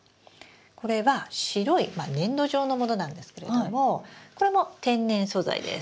これは白い粘土状のものなんですけれどもこれも天然素材です。